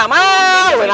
udah balik aja balik